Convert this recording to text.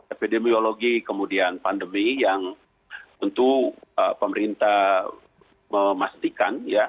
epidemiologi kemudian pandemi yang tentu pemerintah memastikan ya